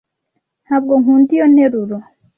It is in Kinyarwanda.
Ntabwo nkunda iyo nteruro